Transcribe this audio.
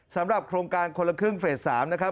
สำหรับโครงการคนละครึ่งเฟส๓นะครับ